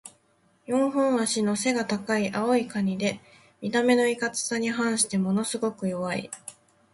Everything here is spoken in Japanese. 四本脚の背が高い青いカニで、見た目のいかつさに反してものすごく弱い。